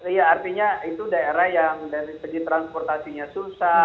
iya artinya itu daerah yang dari segi transportasinya susah